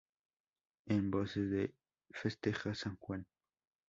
En Voces se festeja San Juan